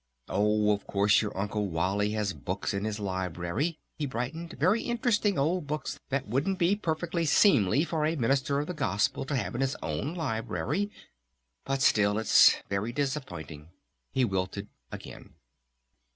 Oh, of course your Uncle Wally has books in his library," he brightened, "very interesting old books that wouldn't be perfectly seemly for a minister of the Gospel to have in his own library.... But still it's very disappointing," he wilted again.